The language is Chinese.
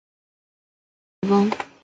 克里翁。